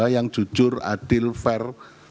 yang jujur adil fair